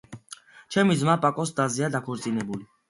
ჩემი ძმა პაკოს დაზეა დაქორწინებული.